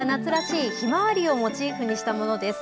こちらは夏らしいひまわりをモチーフにしたものです。